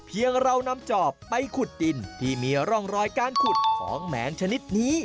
เรานำจอบไปขุดดินที่มีร่องรอยการขุดของแมนชนิดนี้